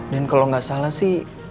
dan kalo gak salah sih